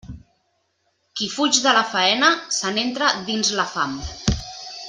Qui fuig de la faena, se n'entra dins la fam.